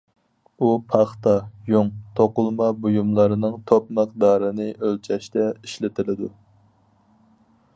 ئۇ پاختا، يۇڭ توقۇلما بۇيۇملارنىڭ توپ مىقدارىنى ئۆلچەشتە ئىشلىتىلىدۇ.